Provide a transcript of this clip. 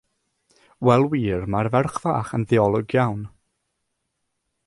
Wel wir, mae'n ferch fach ddiolwg iawn.